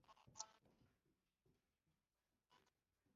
وَقَالَ ابْنُ الْمُقَفَّعِ